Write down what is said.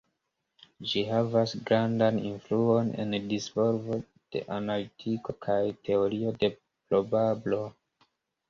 Ĝi havas grandan influon en disvolvo de Analitiko kaj Teorio de probablo.